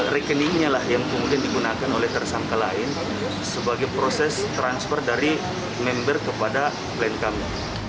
rekeningnya lah yang kemudian digunakan oleh tersangka lain sebagai proses transfer dari member kepada klien kami